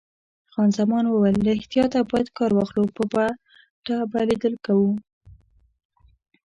خان زمان وویل: له احتیاطه باید کار واخلو، په پټه به لیدل کوو.